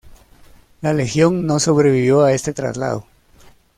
La legión no sobrevivió a este traslado.